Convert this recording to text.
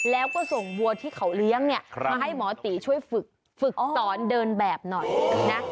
แล้วก็ส่งวัวที่เขาเลี้ยงเนี่ยมาให้หมอตีช่วยฝึกฝึกสอนเดินแบบหน่อยนะ